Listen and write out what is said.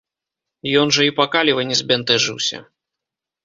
Ён жа і па каліва не збянтэжыўся.